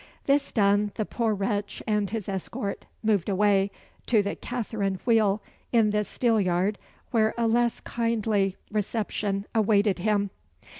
This done, the poor wretch and his escort moved away to the Catherine Wheel, in the Steelyard, where a less kindly reception awaited him.